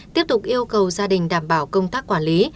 tiếp tục yêu cầu gia đình đảm bảo công tác quản lý